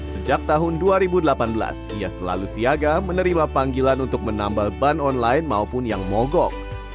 sejak tahun dua ribu delapan belas ia selalu siaga menerima panggilan untuk menambal ban online maupun yang mogok